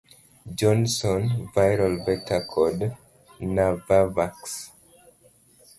Johnson, Viral vector, kod Navavax.